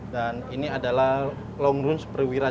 dan ini adalah long lounge perwira